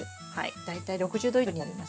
大体６０℃以上になります。